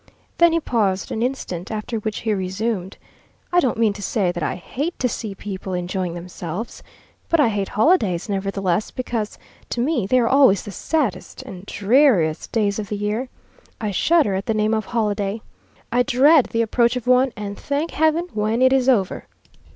Then he paused an instant, after which he resumed: "I don't mean to say that I hate to see people enjoying themselves. But I hate holidays, nevertheless, because to me they are always the saddest and dreariest days of the year. I shudder at the name of holiday. I dread the approach of one, and thank heaven when it is over.